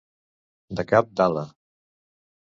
De cap d'ala.